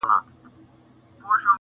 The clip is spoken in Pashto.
خو آواز یې لا خپل نه وو آزمېیلی-